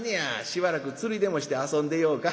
しばらく釣りでもして遊んでようか」。